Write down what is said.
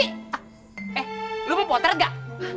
eh lu mau potret gak